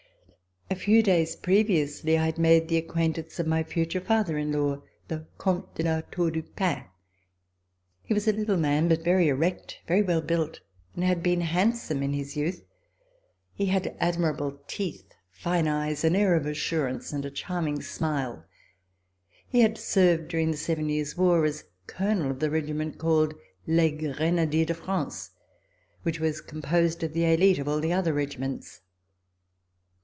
A few days previously I had made the acquaint ance of my future father in law, the Comte de La Tour du Pin. He was a little man but very erect, very well built and had been handsome in his youth. He had admirable teeth, fine eyes, an air of assurance and a charming smile. He had served during the Seven Years' War as Colonel of the Regiment called les Grenadiers de France^ which was composed of the elite of all the other regiments.